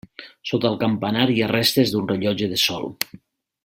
Sota el campanar hi ha restes d'un rellotge de sol.